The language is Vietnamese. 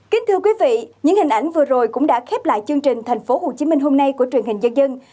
kính thưa quý vị những hình ảnh vừa rồi cũng đã khép lại chương trình thành phố hồ chí minh hôm nay của truyền hình dân dân